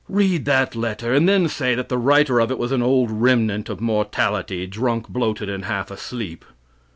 Read that letter and then say that the writer of it was an old remnant of mortality, drunk, bloated, and half asleep.